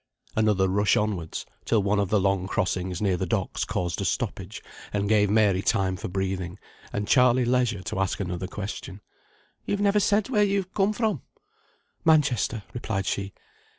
Another rush onwards, till one of the long crossings near the docks caused a stoppage, and gave Mary time for breathing, and Charley leisure to ask another question. "You've never said where you come from?" "Manchester," replied she.